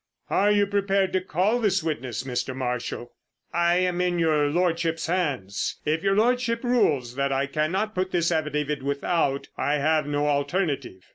"Are you prepared to call this witness, Mr. Marshall?" "I am in your Lordship's hands; if your Lordship rules that I cannot put in this affidavit without, I have no alternative."